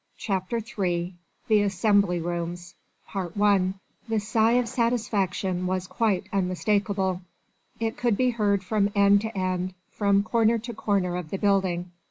CHAPTER III THE ASSEMBLY ROOMS I The sigh of satisfaction was quite unmistakable. It could be heard from end to end, from corner to corner of the building.